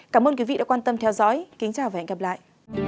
cảm ơn quý vị đã quan tâm theo dõi kính chào và hẹn gặp lại